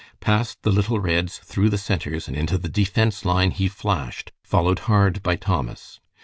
Past the little Reds, through the centers, and into the defense line he flashed, followed hard by Thomas.